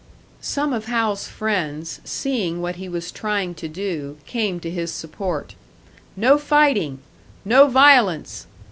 Some of Hal's friends, seeing what he was trying to do, came to his support. "No fighting! No violence!